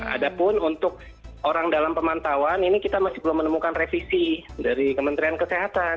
ada pun untuk orang dalam pemantauan ini kita masih belum menemukan revisi dari kementerian kesehatan